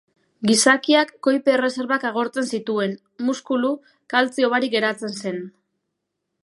Gizakiak koipe erreserbak agortzen zituen, muskulu, kaltzio barik geratzen zen.